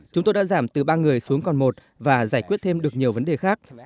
chúng tôi đã giảm từ ba người xuống còn một và giải quyết thêm được nhiều vấn đề khác